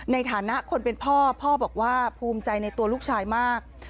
ในฐานะคนเป็นพ่อพ่อบอกว่าภูมิใจในตัวลูกชายมาก